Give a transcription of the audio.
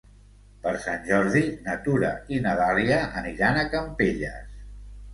Per Sant Jordi na Tura i na Dàlia aniran a Campelles.